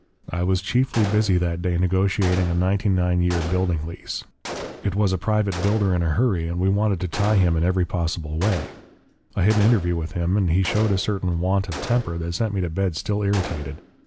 I was chiefly busy that day negotiating a ninety nine year building lease. It was a private builder in a hurry, and we wanted to tie him in every possible way. I had an interview with him, and he showed a certain want of temper that sent me to bed still irritated.